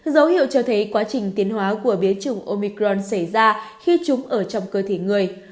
dấu hiệu cho thấy quá trình tiến hóa của biến chủng omicron xảy ra khi chúng ở trong cơ thể người